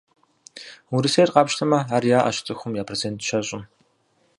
Урысейр къапщтэмэ, ар яӏэщ цӏыхум я процент щэщӏым.